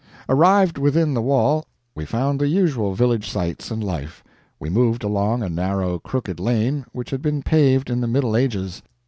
Arrived within the wall, we found the usual village sights and life. We moved along a narrow, crooked lane which had been paved in the Middle Ages.